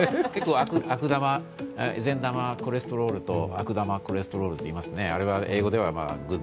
善玉コレステロールと悪玉コレステロールといいますね。